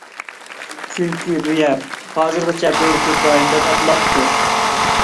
چۈنكى بۇ يەر ھازىرغىچە «بۆرە كۆپ رايون» دەپ ئاتىلاتتى.